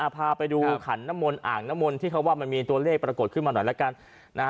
พาไปดูขันน้ำมนอ่างน้ำมนต์ที่เขาว่ามันมีตัวเลขปรากฏขึ้นมาหน่อยละกัน